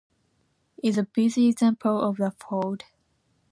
It is a busy example of a hold.